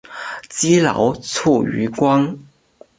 积劳卒于官。